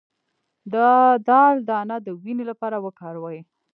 د دال دانه د وینې لپاره وکاروئ